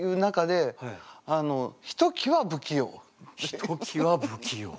ひときわ不器用。